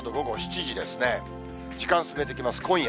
時間進めていきます、今夜。